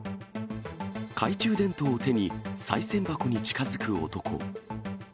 懐中電灯を手に、さい銭箱に近づく男。